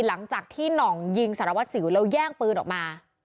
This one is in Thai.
หลังจากที่หน่องยิงสารวัสสิวแล้วแย่งปืนออกมา